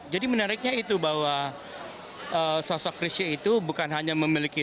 jadi menariknya itu bahwa sosok krisha itu bukan hanya memiliki